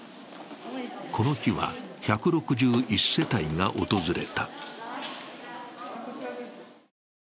この日は１６１世帯が訪れた。